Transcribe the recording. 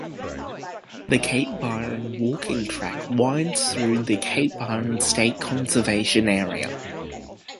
The Cape Byron walking track winds through the Cape Byron State Conservation Area.